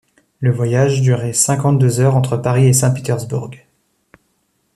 Le voyage durait cinquante-deux heures entre Paris et Saint-Pétersbourg.